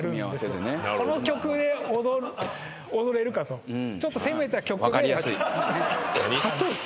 組み合わせでねこの曲で踊れるかとちょっと攻めた曲で何？